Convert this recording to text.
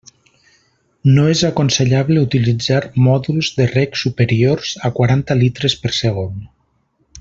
No és aconsellable utilitzar mòduls de reg superiors a quaranta litres per segon.